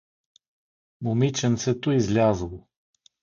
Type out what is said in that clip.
Момиченцето излязло.